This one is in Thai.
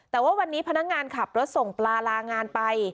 แต่ว่าวันนี้พนักงานขับรถส่งปลาลางานไป